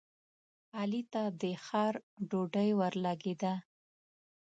علي ته د ښار ډوډۍ ورلګېده.